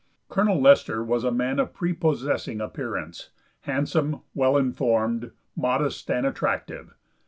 Colonel Lester was a man of prepossessing appearance, handsome, well informed, modest and attractive.